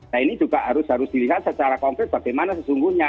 nah ini juga harus dilihat secara konkret bagaimana sesungguhnya